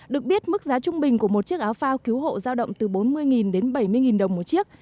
được biết mức giá trung bình của một chiếc áo phao cứu hộ giao động từ bốn mươi đến bảy mươi đồng một chiếc